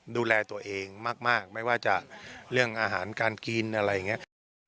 ดูแลตัวเองมากไม่ว่าจะเรื่องอาหารการกินอะไรอย่างนี้